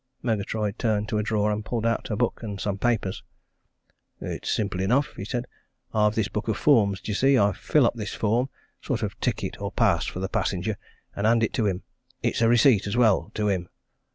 Murgatroyd turned to a drawer and pulled out a book and some papers. "It's simple enough," he said. "I've this book of forms, d'ye see? I fill up this form sort of ticket or pass for the passenger, and hand it to him it's a receipt as well, to him.